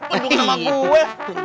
pentung sama gue